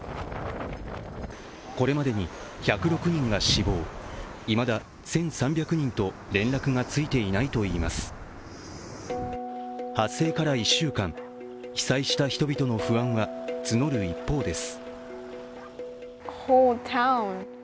これまでに１０６人が死亡、いまだ１３００人と連絡がついていないといいます発生から１週間被災した人々の不安は募る一方です。